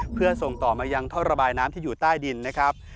เพื่อส่งต่อมายังท่อระบายน้ำที่อยู่ใต้ดินนะครับ